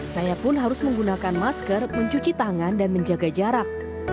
saya pun harus menggunakan masker mencuci tangan dan menjaga jarak